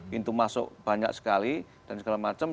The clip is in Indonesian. pintu masuk banyak sekali dan segala macam